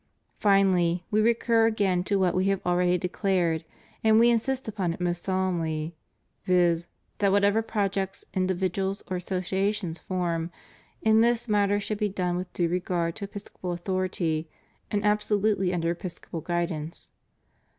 Finally, We recur again to what We have already de clared and We insist upon it most solemnly, viz.: that whatever projects individuals or associations form in this matter should be done with due regard to Episcopal authority and absolutely under Episcopal guidance.